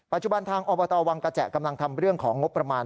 ปัจจุบันทางอววังกระแจะกำลังทำเรื่องของงบประมาณ